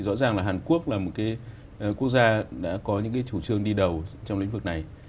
rõ ràng là hàn quốc là một cái quốc gia đã có những cái chủ trương đi đầu trong lĩnh vực này